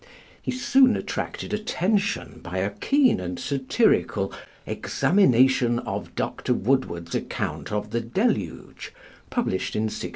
He soon attracted attention by a keen and satirical 'Examination of Dr. Woodward's Account of the Deluge,' published in 1697.